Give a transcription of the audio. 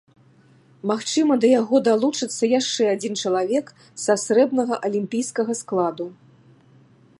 Магчыма, да яго далучыцца яшчэ адзін чалавек са срэбнага алімпійскага складу.